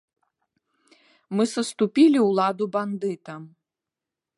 Мы саступілі ўладу бандытам.